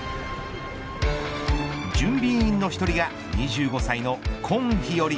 準備委員の１人が２５歳の今日和。